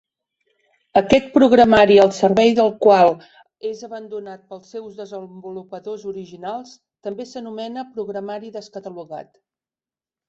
Aquest programari el servei del qual és abandonat pels seus desenvolupadors originals també s'anomena programari descatalogat.